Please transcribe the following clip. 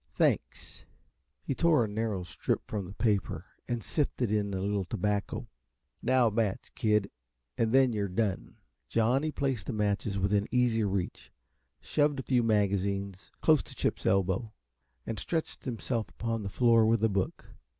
"Thanks!" He tore a narrow strip from the paper and sifted in a little tobacco. "Now a match, kid, and then you're done." Johnny placed the matches within easy reach, shoved a few magazines close to Chip's elbow, and stretched himself upon the floor with a book.